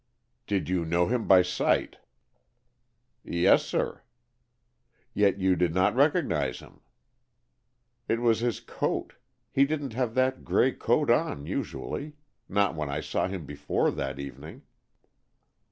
"Did you know him by sight?" "Yes, sir." "Yet you did not recognize him?" "It was his coat. He didn't have that gray coat on usually, not when I saw him before that evening."